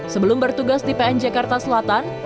sebelum bertugas di pn jakarta selatan